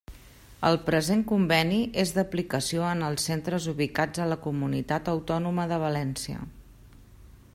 El present conveni és d'aplicació en els centres ubicats a la Comunitat Autònoma de València.